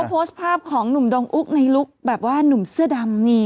โพสต์ภาพของหนุ่มดงอุ๊กในลุคแบบว่าหนุ่มเสื้อดำนี่